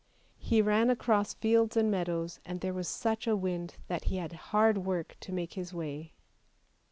He ran across fields and meadows, and there was such a wind that he had hard work to make his way.